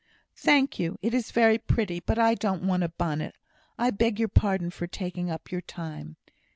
"Thank you. It is very pretty. But I don't want a bonnet. I beg your pardon for taking up your time."